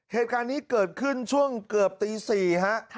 เหตุการณ์นี้เกิดขึ้นช่วงเกือบตี๔ฮะ